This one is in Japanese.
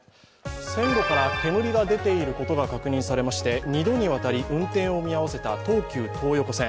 線路から煙が出ていることが確認されまして、二度にわたり運転を見合わせた東急東横線。